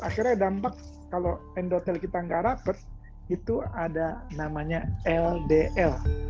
akhirnya dampak kalau endotel kita nggak rapat itu ada namanya ldl